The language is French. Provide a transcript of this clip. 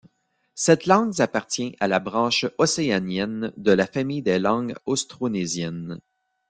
Cette langue appartient à la branche océanienne de la famille des langues austronésiennes.